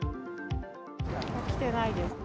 来てないです。